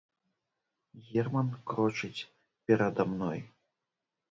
Герман крочыць перада мной.